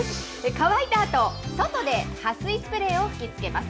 乾いたあと、外ではっ水スプレーを吹きつけます。